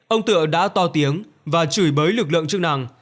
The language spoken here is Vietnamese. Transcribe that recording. ông tựa đã to tiếng và chửi bới lực lượng chức năng